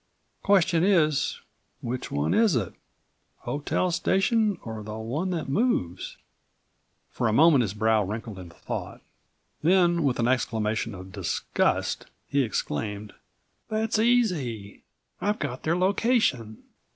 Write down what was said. Question is: Which one is it—hotel station or the one that moves?" For a moment his brow wrinkled in thought. Then with an exclamation of disgust he exclaimed: "That's easy! I've got their location!"